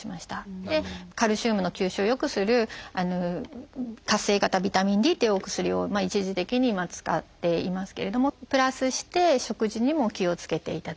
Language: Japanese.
カルシウムの吸収を良くする活性型ビタミンＤというお薬を一時的に使っていますけれどもプラスして食事にも気をつけていただいています。